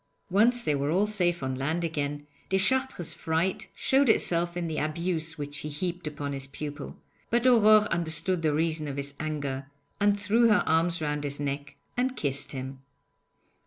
Once they were all safe on land again, Deschartres' fright showed itself in the abuse which he heaped upon his pupil, but Aurore understood the reason of his anger, and threw her arms round his neck and kissed him.